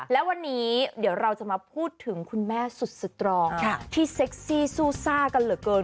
และวันนี้เดี๋ยวเราจะมาพูดถึงคุณแม่สุดสตรองที่เซ็กซี่ซู่ซ่ากันเหลือเกิน